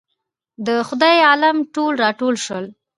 د خدای عالم ټول راټول شول.